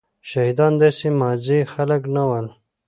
شهيدان داسي ماځي خلک نه ول.